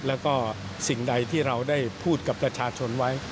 แล้วก็สิ่งใดที่เราได้พูดกับประชาชนไว้